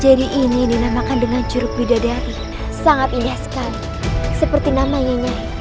jadi ini dinamakan dengan curug widadari sangat indah sekali seperti namanya nyanyi